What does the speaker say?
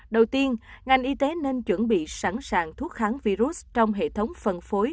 đầu tiên ngành y tế nên chuẩn bị sẵn sàng thuốc kháng virus trong hệ thống phân phối